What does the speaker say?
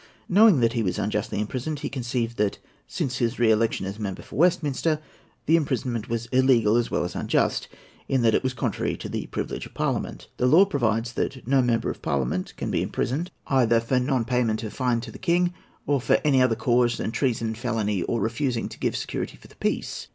Knowing that he was unjustly imprisoned, he conceived that, since his re election as member for Westminster, the imprisonment was illegal as well as unjust, in that it was contrary to the privilege of Parliament. The law provides that "no Member of Parliament can be imprisoned either for non payment of a fine to the King, or for any other cause than treason, felony, or refusing to give security for the peace."